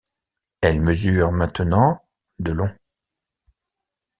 Elle mesure maintenant de long.